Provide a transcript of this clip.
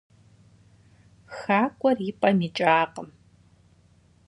Хакӏуэр и пӀэм икӀакъым.